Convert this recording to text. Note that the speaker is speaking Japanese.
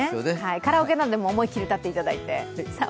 カラオケなどでも思いっきり歌っていただいて。